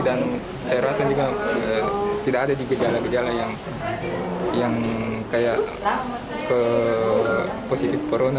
dan saya rasa juga tidak ada juga gejala gejala yang kayak positif corona